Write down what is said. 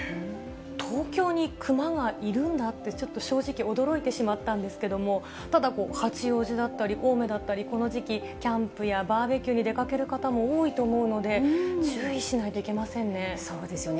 東京にクマがいるんだって、ちょっと正直、驚いてしまったんですけれども、ただ、八王子だったり青梅だったり、この時期、キャンプやバーベキューに出かける方も多いと思うので、注意しなそうですよね。